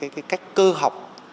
cái cách cơ học